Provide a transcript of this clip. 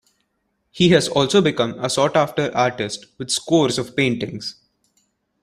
He has also become a sought-after artist with scores of paintings.